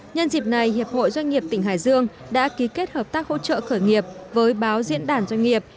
nhân dịp này hiệp hội doanh nghiệp tỉnh hải dương đã ký kết hợp tác hỗ trợ khởi nghiệp với báo diễn đàn doanh nghiệp